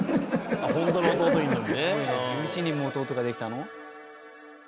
「１１人も弟ができたの？」